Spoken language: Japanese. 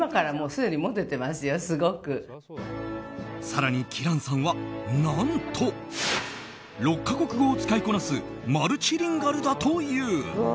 更にキランさんは何と６か国語を使いこなすマルチリンガルだという。